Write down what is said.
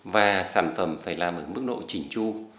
và sản phẩm phải làm ở mức độ chỉnh chu